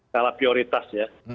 salah prioritas ya